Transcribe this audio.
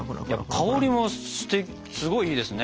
香りもすごいいいですね。